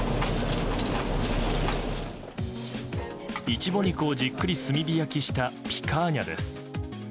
イチボ肉をじっくり炭火焼きしたピカーニャです。